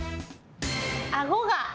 あごが。